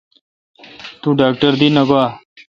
توڈاکٹر دی نہ گوا؟